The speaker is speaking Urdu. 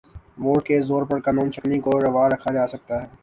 ووٹ کے زور پر قانون شکنی کو روا رکھا جا سکتا ہے۔